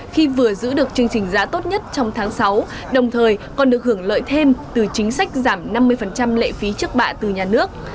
khi vừa giữ được chương trình giá tốt nhất trong tháng sáu đồng thời còn được hưởng lợi thêm từ chính sách giảm năm mươi lệ phí trước bạ từ nhà nước